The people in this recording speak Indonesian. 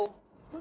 kenapa sih pang